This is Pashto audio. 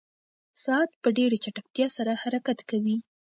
ساعت په ډېرې چټکتیا سره حرکت کوي.